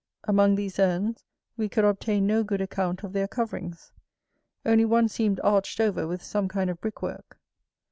_ Among these urns we could obtain no good account of their coverings; only one seemed arched over with some kind of brickwork.